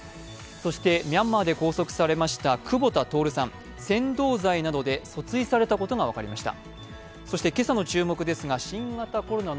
そしてミャンマーで拘束されました久保田徹さん扇動罪などで訴追されたことが分かりました。